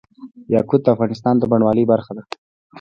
یاقوت د افغانستان د بڼوالۍ برخه ده.